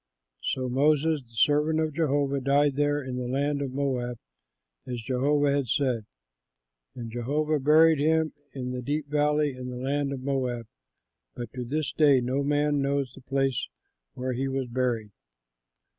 So Moses, the servant of Jehovah, died there in the land of Moab as Jehovah had said. And Jehovah buried him in the deep valley in the land of Moab; but to this day no man knows the place where he was buried.